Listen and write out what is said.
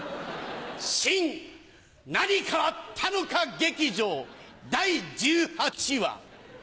新何かあったのか劇場第１８話。